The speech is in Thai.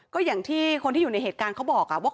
ก็อย่างที่คนที่อยู่ในเหตุการณ์เขาบอกว่า